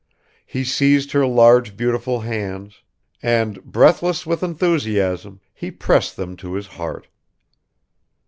He seized her large beautiful hands and, breathless with enthusiasm, he pressed them to his heart.